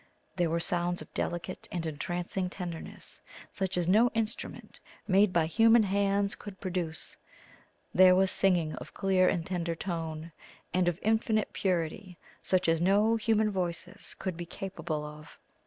There were sounds of delicate and entrancing tenderness such as no instrument made by human hands could produce; there was singing of clear and tender tone, and of infinite purity such as no human voices could be capable of.